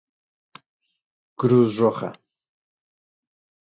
Cruz Roja.